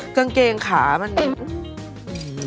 เอ๊ะกางเกงขามันนี่